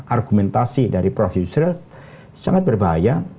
argumentasi dari prof yusril sangat berbahaya